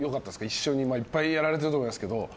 一緒に、いっぱいやられていると思いますけど。